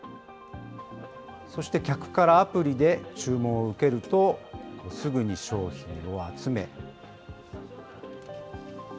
そして客からアプリで注文を受けるとすぐに商品を集め。